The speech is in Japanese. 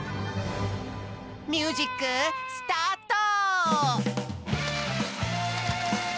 ミュージックスタート！